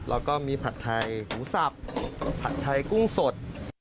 แล้วก็มีผัดไทยหมูสับผัดไทยกุ้งสด